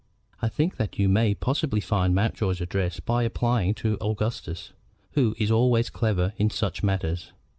I think that you may possibly find Mountjoy's address by applying to Augustus, who is always clever in such matters.